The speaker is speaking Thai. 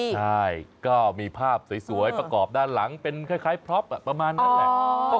ใช่ก็มีภาพสวยประกอบด้านหลังเป็นคล้ายพล็อปประมาณนั้นแหละ